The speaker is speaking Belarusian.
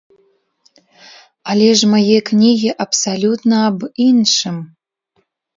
Але ж мае кнігі абсалютна аб іншым.